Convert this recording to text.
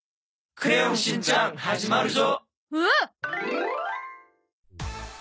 『クレヨンしんちゃん』始まるぞ！